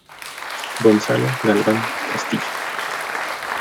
Gonzalo Galván Castillo.